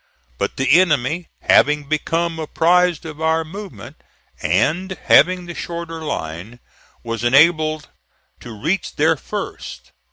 But the enemy having become apprised of our movement, and having the shorter line, was enabled to reach there first.